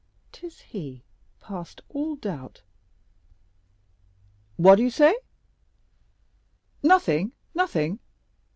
"'Tis he, past all doubt." "What do you say?" "Nothing, nothing.